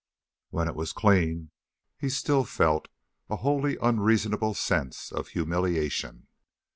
When it was clean, he still felt a wholly unreasonable sense of humiliation.